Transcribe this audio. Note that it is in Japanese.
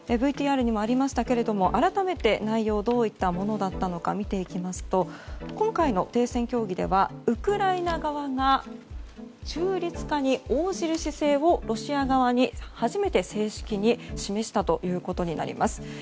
ＶＴＲにもありましたけれども改めて、内容がどういったものだったのか見ていきますと今回の停戦協議ではウクライナ側が中立化に応じる姿勢をロシア側に初めて正式に示したということになります。